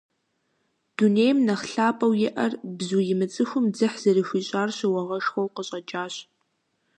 Дунейм нэхъ лъапӀэу иӀэр бзу имыцӀыхум дзыхь зэрыхуищӀар щыуагъэшхуэу къыщӀэкӀащ.